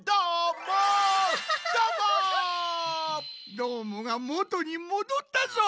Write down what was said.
どーもがもとにもどったぞい！